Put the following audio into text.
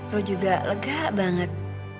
rom juga lega banget